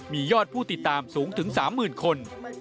มียอดผู้ติดตามสูงถึง๓๐๐๐คน